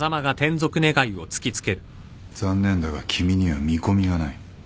残念だが君には見込みがない。